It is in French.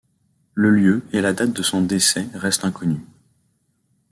Le lieu et la date de son décès restent inconnus.